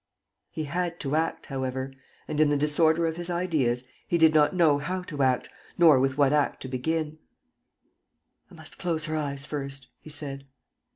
..." He had to act, however, and, in the disorder of his ideas, he did not know how to act nor with what act to begin: "I must close her eyes first," he said.